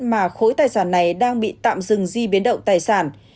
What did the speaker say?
mà khối tài sản này đang bị tạm dừng di biến động tài sản